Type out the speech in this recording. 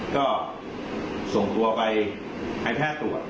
ก็ส่งตัวไปให้แพทย์ตรวจ